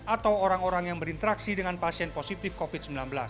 atau orang orang yang berinteraksi dengan pasien positif covid sembilan belas